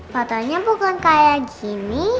fotonya bukan kayak gini